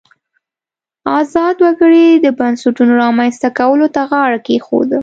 ازاد وګړي د بنسټونو رامنځته کولو ته غاړه کېښوده.